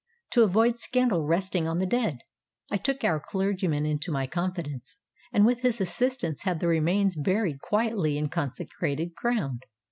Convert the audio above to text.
To avoid scandal resting on the dead, I took our clergyman into my confidence, and with his assistance had the remains buried quietly in consecrated ground.